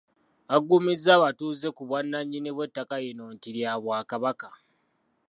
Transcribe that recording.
Agumizza abatuuze ku bwannannyini bw'ettaka lino nti lya Bwakabaka.